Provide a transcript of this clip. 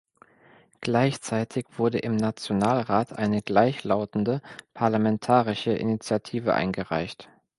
Gleichzeitig wurde im Nationalrat eine gleichlautende parlamentarische Initiative eingereicht.